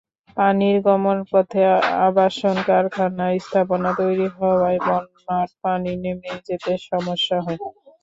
পানির গমনপথে আবাসন-কারখানা-স্থাপনা তৈরি হওয়ায় বন্যার পানি নেমে যেতে সমস্যা হয়।